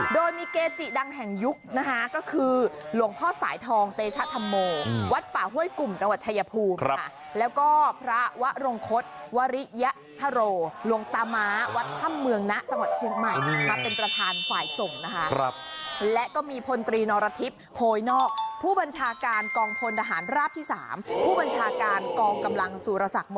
โดยมีเกจิดังแห่งยุคนะคะก็คือหลวงพ่อสายทองเตชะธรรมโมวัดป่าห้วยกลุ่มจังหวัดชายภูมิค่ะแล้วก็พระวรงคศวริยธโรหลวงตาม้าวัดถ้ำเมืองนะจังหวัดเชียงใหม่มาเป็นประธานฝ่ายส่งนะคะและก็มีพลตรีนรทิพย์โพยนอกผู้บัญชาการกองพลทหารราบที่๓ผู้บัญชาการกองกำลังสุรสัก